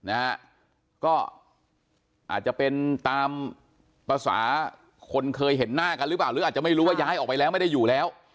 นะฮะก็อาจจะเป็นตามภาษาคนเคยเห็นหน้ากันหรือเปล่าหรืออาจจะไม่รู้ว่าย้ายออกไปแล้วไม่ได้อยู่แล้ว